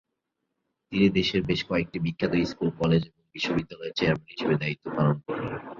তিনি দেশের বেশ কয়েকটি বিখ্যাত স্কুল, কলেজ এবং বিশ্ববিদ্যালয়ের চেয়ারম্যান হিসাবে দায়িত্ব পালন করেন।